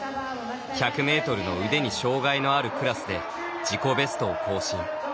１００ｍの腕に障がいのあるクラスで自己ベストを更新